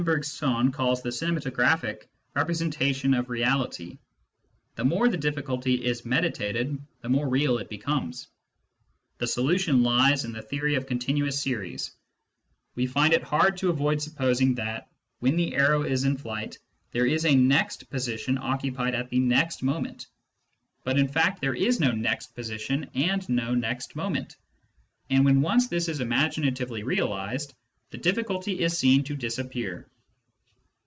Bergson calls the cinemato graphic representation of reality. The more the difficulty is meditated, the more real it becomes. The solution lies in the theory of continuous series : we find it hard to avoid supposing that, when the arrow is in flight, there is a next position occupied at the next moment ; but in fact there is no next position and no next moment, and when once this is imaginatively realised, the difficulty is seen to disappear.